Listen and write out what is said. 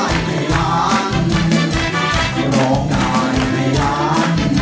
ร้องได้ในเพลงแรกรับแล้วค่ะคุณว้าว๕๐๐๐บาทค่ะ